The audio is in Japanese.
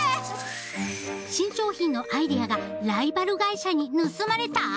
新商品のアイデアがライバル会社に盗まれた！？